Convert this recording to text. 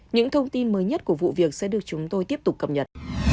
những thông tin mới nhất của vụ việc sẽ được chúng tôi tiếp tục cập nhật